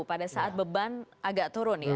pada saat beban agak turun ya